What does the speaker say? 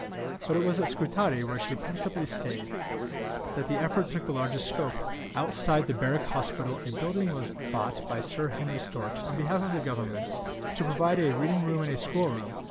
But it was at Scutari, where she principally stayed, that the effort took the largest scope. Outside the Barrack Hospital a building was bought by Sir Henry Storks, on behalf of the Government, to provide a reading room and a school room.